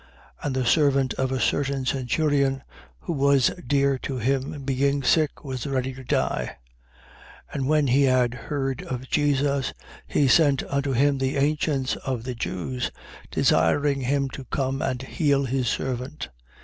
7:2. And the servant of a certain centurion who was dear to him, being sick, was ready to die. 7:3. And when he had heard of Jesus, he sent unto him the ancients of the Jews, desiring him to come and heal his servant.